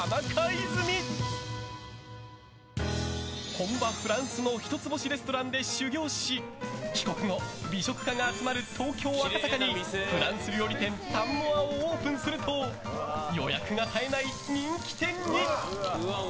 本場フランスの一つ星レストランで修業し帰国後、美食家が集まる東京・赤坂にフランス料理店タンモアをオープンすると予約が絶えない人気店に。